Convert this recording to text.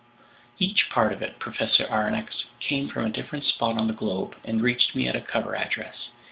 "Each part of it, Professor Aronnax, came from a different spot on the globe and reached me at a cover address.